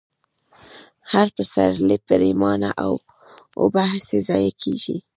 هر پسرلۍ پرېمانه اوبه هسې ضايع كېږي،